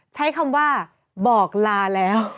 ใช้คำว่าบอกลาแล้ว